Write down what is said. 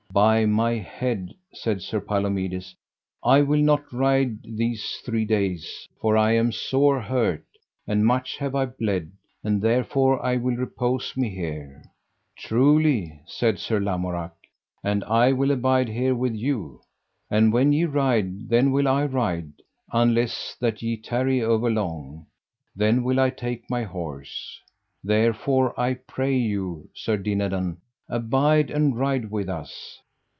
By my head, said Sir Palomides, I will not ride these three days, for I am sore hurt, and much have I bled, and therefore I will repose me here. Truly, said Sir Lamorak, and I will abide here with you; and when ye ride, then will I ride, unless that ye tarry over long; then will I take my horse. Therefore I pray you, Sir Dinadan, abide and ride with us.